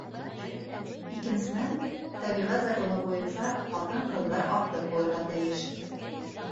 Икенсенән, тәбиғәт законы буйынса, ҡатын-ҡыҙҙар артыҡ булырға тейеш.